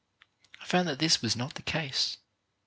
I found that this was not the case.